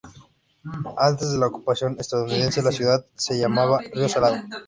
Antes de la ocupación estadounidense, la ciudad se llamaba Río Salado.